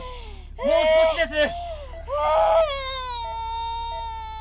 もう少しです！